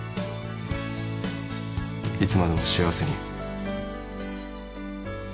いつまでも幸せに。